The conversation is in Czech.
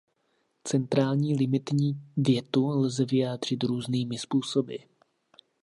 Centrální limitní větu lze vyjádřit různými způsoby.